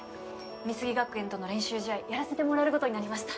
美杉学院との練習試合やらせてもらえることになりました